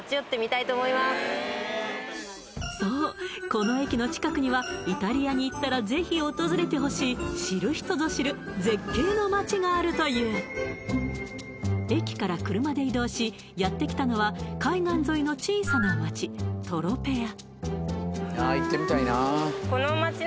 この駅の近くにはイタリアに行ったらぜひ訪れてほしい知る人ぞ知る絶景の街があるという駅から車で移動しやってきたのは海岸沿いの小さな街トロペア